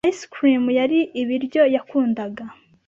Ice cream yari ibiryo yakundaga .